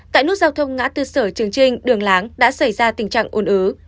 tại nút giao thông ngã tư sở trường trinh đường láng đã xảy ra tình trạng ồn ứ